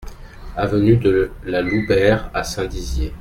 Avenue de la Loubert à Saint-Dizier